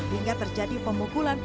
hingga terjadi pemukulan